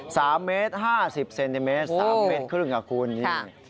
๓๕๐เซนติเมตรปี๓๐๕นิตรค่ะคุณ